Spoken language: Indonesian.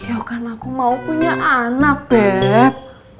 ya kan aku mau punya anak bed